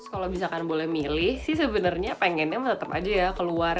kalau bisa kan boleh milih sih sebenarnya pengennya tetap aja ya keluar